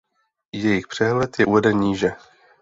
Jejich přehled je uveden níže.